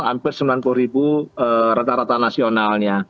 hampir sembilan puluh ribu rata rata nasionalnya